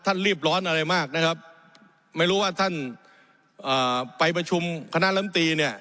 รีบร้อนอะไรมากนะครับไม่รู้ว่าท่านไปประชุมคณะลำตีเนี่ย